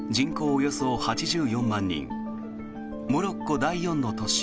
およそ８４万人モロッコ第４の都市